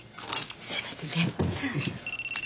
すいません電話。